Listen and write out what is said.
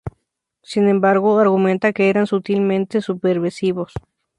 Sin embargo, argumenta que eran "sutilmente subversivos".